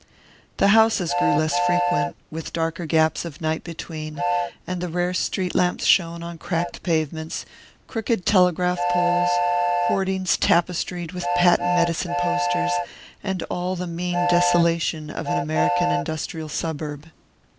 The houses grew less frequent, with darker gaps of night between; and the rare street lamps shone on cracked pavements, crooked telegraph poles, hoardings tapestried with patent medicine posters, and all the mean desolation of an American industrial suburb.